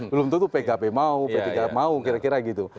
belum tentu pkb mau p tiga mau kira kira gitu